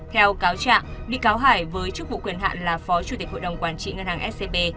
theo cáo trạng bị cáo hải với chức vụ quyền hạn là phó chủ tịch hội đồng quản trị ngân hàng scb